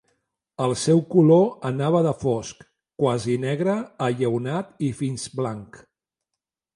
El seu color anava de fosc, quasi negre a lleonat i fins blanc.